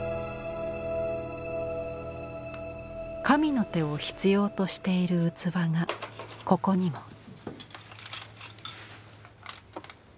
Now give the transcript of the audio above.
神の手を必要としている器がここにも。